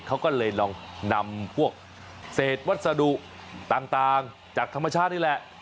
เขาก็เลยลองนำพวกเศษวัสดุต่างจากธรรมชาตินี่แหละ